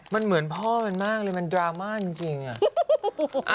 มันเหมือนพ่อมันมากเลยมันดราม่าจริงอ่ะ